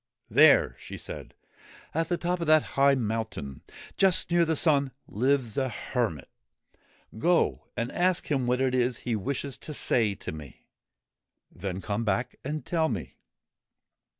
There,' she said, 'at the top of that high mountain, just near the sun, lives a hermit. Go and ask him what it is he wishes to say to me. Then come back and tell me.'